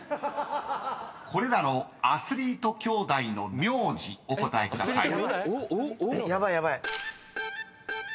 ［これらのアスリート兄弟の苗字お答えください］